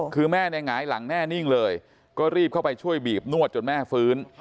คือแม่เนี่ยหงายหลังแน่นิ่งเลยก็รีบเข้าไปช่วยบีบนวดจนแม่ฟื้น